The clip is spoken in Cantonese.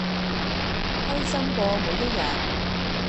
開心過每一日